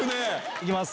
行きます。